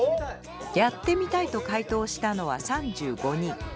やってみたいと回答したのは３５人。